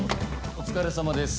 お疲れさまです。